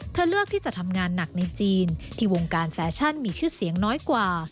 เลือกที่จะทำงานหนักในจีนที่วงการแฟชั่นมีชื่อเสียงน้อยกว่า